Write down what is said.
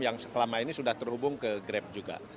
yang selama ini sudah terhubung ke grab juga